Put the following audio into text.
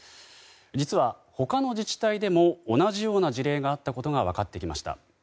実は、他の自治体でも同じような事例があったことが分かってきました。